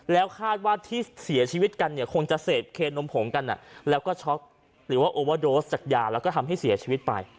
แล้วคาดว่าที่เสียชีวิตกันเนี่ยคงจะเสพเคนนมผงกันแล้วก็ช็อกหรือว่าโอวาโดสจากยาแล้วก็ทำให้เสียชีวิตไป